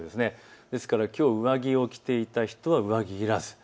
ですからきょう、上着を着ていた人は上着いらず。